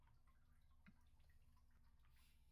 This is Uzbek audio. men finish chizigʻini birinchi boʻlib kesib oʻtdim